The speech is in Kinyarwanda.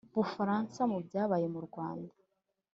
bufaransa mu byabaye mu rwanda.